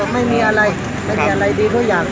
ไม่มีอะไรไม่มีอะไรดีทุกอย่าง